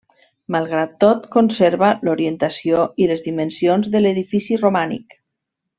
Malgrat tot, conserva l'orientació i les dimensions de l'edifici romànic.